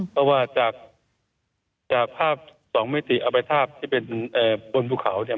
เพราะว่าจากภาพสองมิติเอาไปภาพที่เป็นบนภูเขาเนี่ย